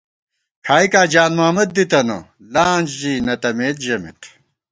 کھائیکاں جان محمد دِتنہ لانچ ژی نہ تَمېت ژَمېت